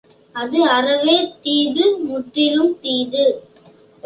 அது அறவே தீது முற்றிலும் தீது.